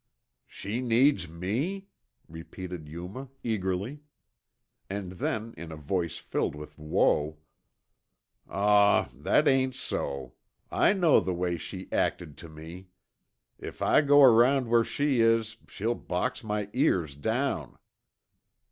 "She needs me?" repeated Yuma eagerly. And then in a voice filled with woe, "Aw w, that ain't so. I know the way she acted tuh me. If I go around where she is, she'll box my ears down."